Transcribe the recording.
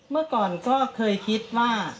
เมื่อก่อนก็เคยคิดว่า